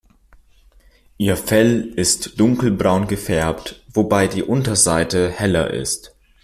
Ihr Fell ist dunkelbraun gefärbt, wobei die Unterseite heller ist.